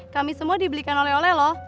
kami semua dibelikan oleh oleh loh